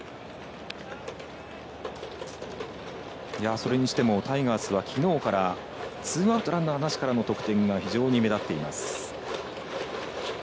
それにしてもタイガースはきのうからツーアウト、ランナーなしからの得点が非常に目立っています。